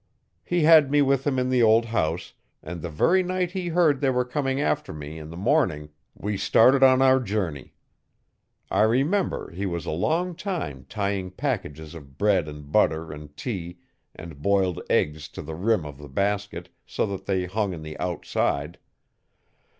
He had me with him in the old house, and the very night he heard they were coming after me in the morning, we started on our journey. I remember he was a long time tying packages of bread and butter and tea and boiled eggs to the rim of the basket, so that they hung on the outside.